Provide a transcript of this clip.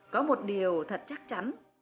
có một điều thật chắc chắn